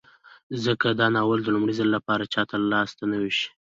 ځکه که دا ناول د لومړي ځل لپاره چاته لاس ته وشي